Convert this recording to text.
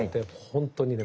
本当にね